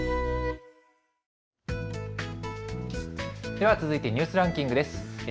では続いてニュースランキングです。